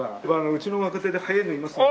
うちの若手で速いのいますので。